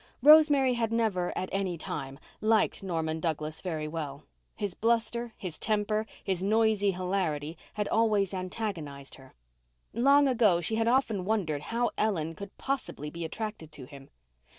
Rosemary had never, at any time, liked Norman Douglas very well. His bluster, his temper, his noisy hilarity, had always antagonized her. Long ago she had often wondered how Ellen could possibly be attracted to him.